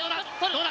どうだ？